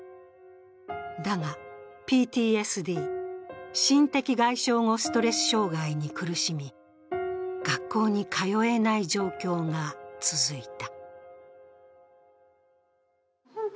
だがＰＴＳＤ＝心的外傷後ストレス障害に苦しみ、学校に通えない状況が続いた。